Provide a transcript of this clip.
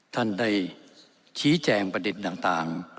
ท่านได้ชี้แจงประเด็นต่าง